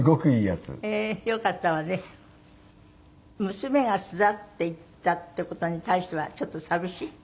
娘が巣立っていったっていう事に対してはちょっと寂しい？